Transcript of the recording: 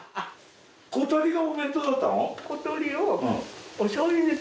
小鳥がお弁当だったの？